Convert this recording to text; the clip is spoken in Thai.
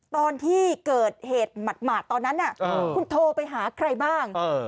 ตอนที่เกิดเหตุหมาดตอนนั้นคุณโทรไปหาใครบ้าง